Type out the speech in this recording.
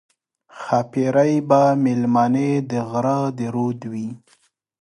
ښاپېرۍ به مېلمنې د غره د رود وي